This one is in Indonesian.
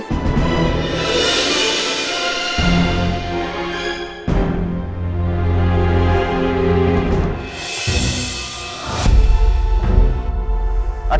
ada apa ini